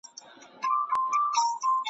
د ارغند خاوري به مي رانجه وي .